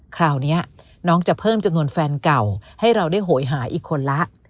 คราวนี้น้องจะเพิ่มจำนวนแฟนเก่าให้เราได้โหยหาอีกคนละ